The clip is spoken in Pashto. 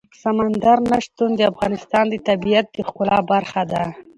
سمندر نه شتون د افغانستان د طبیعت د ښکلا برخه ده.